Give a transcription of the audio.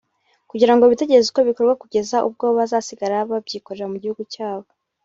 kugira ngo bitegereze uko bikorwa kugeza ubwo bazasigara babyikorera mu gihugu cyabo